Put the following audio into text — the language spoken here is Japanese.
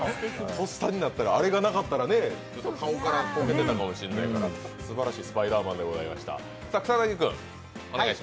とっさになったらあれがなかったら顔からこけてたかもしれないからすばらしいスパイダーマンでございました。